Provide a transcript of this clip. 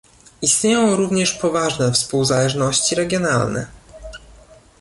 Istnieją również poważne współzależności regionalne